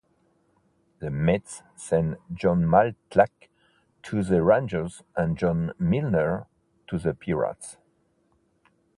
The Mets sent Jon Matlack to the Rangers and John Milner to the Pirates.